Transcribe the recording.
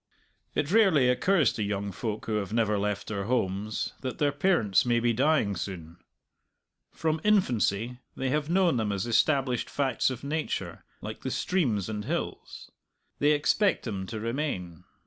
It rarely occurs to young folk who have never left their homes that their parents may be dying soon; from infancy they have known them as established facts of nature like the streams and hills; they expect them to remain.